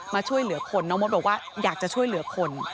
มาช่วยเหลือคนน้องมดบอกว่าอยากจะช่วยเหลือคน